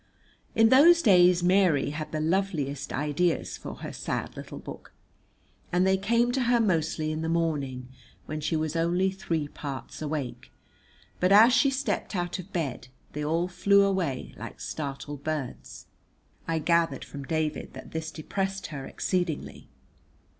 In those days Mary had the loveliest ideas for her sad little book, and they came to her mostly in the morning when she was only three parts awake, but as she stepped out of bed they all flew away like startled birds. I gathered from David that this depressed her exceedingly.